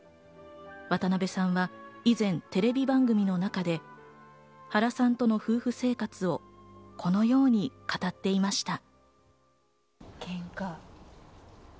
渡辺さんは以前、テレビ番組の中で原さんとの夫婦生活をこのように語っていました。